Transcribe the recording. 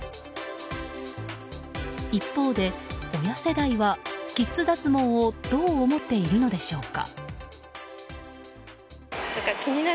一方で、親世代はキッズ脱毛をどう思っているのでしょうか。